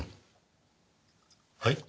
はい？